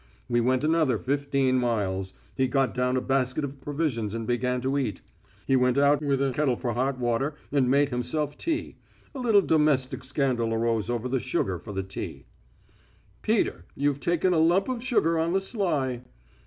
We went another fifteen miles. He got down a basket of provisions and began to eat. He went out with a kettle for hot water, and made himself tea. A little domestic scandal arose over the sugar for the tea. "Peter, you've taken a lump of sugar on the sly!"